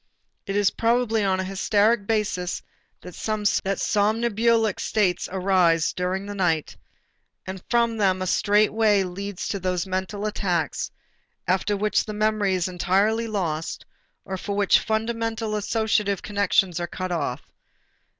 It is probably on a hysteric basis also that somnambulic states arise during the night, and from them a straight way leads to those mental attacks after which the memory is entirely lost, or for which fundamental associative connections are cut off.